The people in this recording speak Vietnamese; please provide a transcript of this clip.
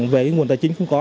về nguồn tài chính không có